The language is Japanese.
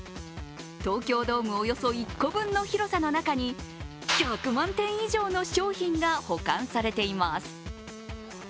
東京ドームおよそ１個分の広さの中に１００万点以上の商品が保管されています。